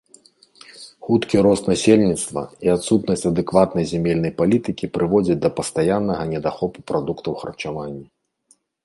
Хуткі рост насельніцтва і адсутнасць адэкватнай зямельнай палітыкі прыводзяць да пастаяннага недахопу прадуктаў харчавання.